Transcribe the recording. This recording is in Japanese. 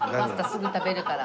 すぐ食べるから。